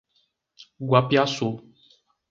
Guapiaçu